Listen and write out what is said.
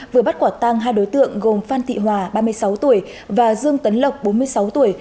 vừa bắt quả tăng hai đối tượng gồm phan thị hòa ba mươi sáu tuổi và dương tấn lộc bốn mươi sáu tuổi